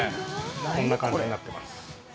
こんな感じになってます。